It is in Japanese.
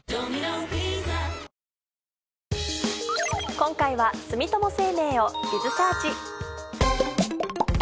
今回は住友生命を。